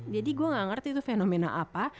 jadi gue nggak ngerti itu fenomena apa